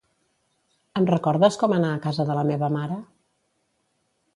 Em recordes com anar a casa de la meva mare?